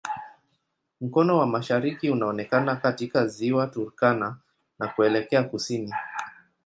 Mkono wa mashariki unaonekana katika Ziwa Turkana na kuelekea kusini.